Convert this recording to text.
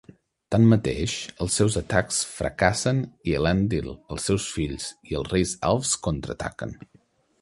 Tanmateix, els seus atacs fracassen i Elendil, els seus fills, i els reis elfs contraataquen.